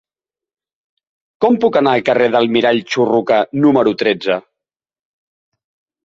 Com puc anar al carrer de l'Almirall Churruca número tretze?